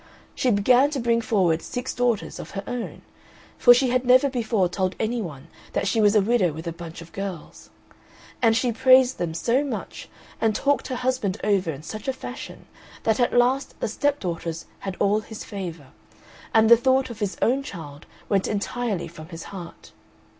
she began to bring forward six daughters of her own, for she had never before told any one that she was a widow with a bunch of girls; and she praised them so much, and talked her husband over in such a fashion, that at last the stepdaughters had all his favour, and the thought of his own child went entirely from his heart.